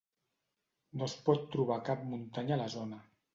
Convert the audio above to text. No es pot trobar cap muntanya a la zona.